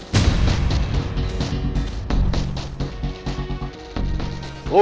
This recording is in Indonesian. jadi semalam putri sama pangeran